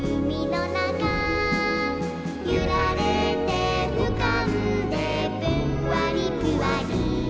「ゆられてうかんでぷんわりぷわり」